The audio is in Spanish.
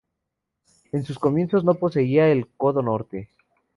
En sus comienzos no poseía el codo norte.